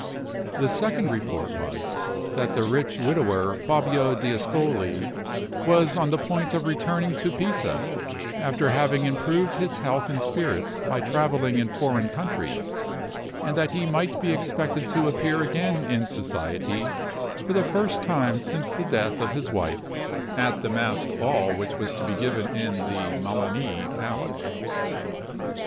The second report was, that the rich widower, Fabio d'Ascoli, was on the point of returning to Pisa, after having improved his health and spirits by traveling in foreign countries; and that he might be expected to appear again in society, for the first time since the death of his wife, at the masked ball which was to be given in the Melani Palace.